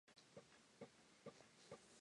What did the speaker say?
The cause of the accident was fuel exhaustion.